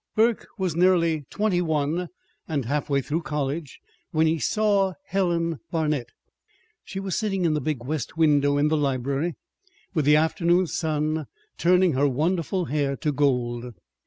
Burke was nearly twenty one, and half through college, when he saw Helen Barnet. She was sitting in the big west window in the library, with the afternoon sun turning her wonderful hair to gold.